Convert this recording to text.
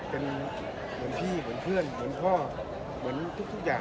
เป็นเหมือนพี่เหมือนเพื่อนเหมือนพ่อเหมือนทุกอย่าง